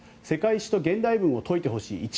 世界史と現代文を解いてほしい。